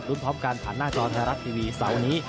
พร้อมกันผ่านหน้าจอไทยรัฐทีวีเสาร์นี้